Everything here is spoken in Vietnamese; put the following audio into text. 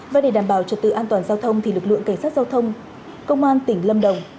và để đảm bảo trật tự an toàn giao thông thì lực lượng cảnh sát giao thông công an tỉnh lâm đồng